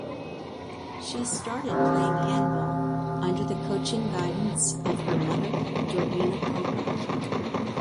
She started playing handball under the coaching guidance of her mother Dorina Popa.